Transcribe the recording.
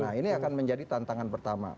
nah ini akan menjadi tantangan pertama